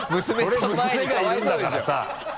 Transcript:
それ娘がいるんだからさ。